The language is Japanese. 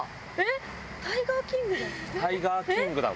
タイガーキングダム？